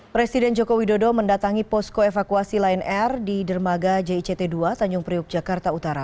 presiden joko widodo mendatangi posko evakuasi line air di dermaga jict dua tanjung priuk jakarta utara